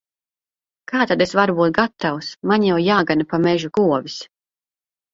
Kā tad es varu būt gatavs! Man jau jāgana pa mežu govis.